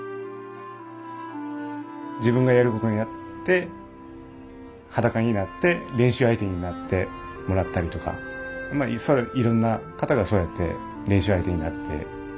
自分がやることになって裸になって練習相手になってもらったりとかいろんな方がそうやって練習相手になってくれたんで。